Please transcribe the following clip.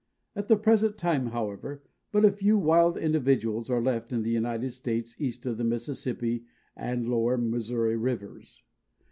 At the present time, however, but a few wild individuals are left in the United States east of the Mississippi and lower Missouri Rivers.